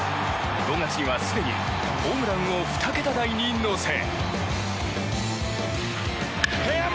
５月には、すでにホームランを２桁台に乗せ。